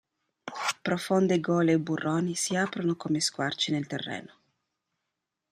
Profonde gole e burroni si aprono come squarci nel terreno.